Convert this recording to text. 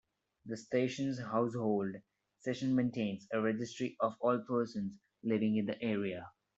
The station's household section maintains a registry of all persons living in the area.